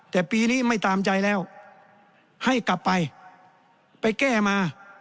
แต่ปีนี้ไม่ตามใจแล้วให้กลับไปไปแก้มา